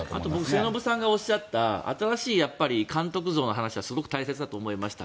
末延さんがおっしゃった新しい監督像の話はすごく大切だと思いました。